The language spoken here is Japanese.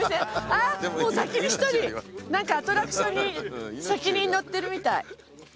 あっもう先に１人アトラクションに先に乗ってるみたい。